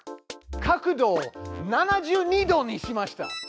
角度を７２度にしました。